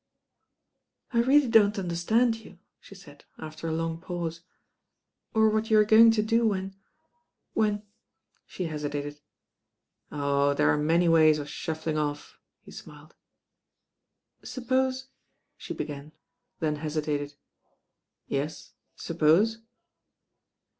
"I really don't understand you," she said after a long pause, "or what you are going to do when — when " she hesitated. "Oh, there are many ways of shuffling off," he smiled. "Suppose " she began, then hesitated "Yes, suppose